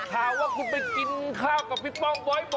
ข่าวว่าจะไปกินข้าวกับพี่ป้องบ่อย